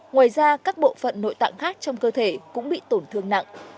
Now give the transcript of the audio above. ngoài ra các bộ phận nội tạng khác trong cơ thể cũng bị tổn thương nặng